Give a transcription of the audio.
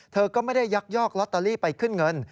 เธอก็ไม่ได้ยักยอกลอตเตอรี่ไปขึ้นเงิน